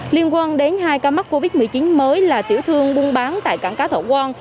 liên quan đến hai ca mắc covid một mươi chín mới là tiểu thương buôn bán tại cảng cá thọ quang